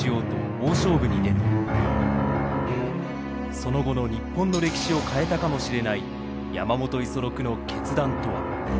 その後の日本の歴史を変えたかもしれない山本五十六の決断とは。